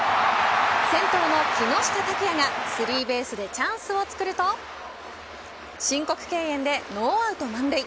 先頭の木下拓哉がスリーベースでチャンスをつくると申告敬遠でノーアウト満塁。